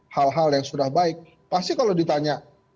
hal hal yang sudah baik pasti kalau ditanya